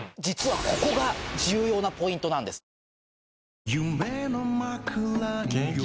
実はここが重要なポイントなんです。